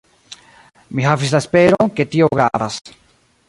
Mi havis la esperon, ke tio gravas.